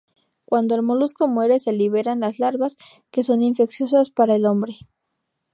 Cuando el molusco muere, se liberan las larvas que son infecciosas para el hombre.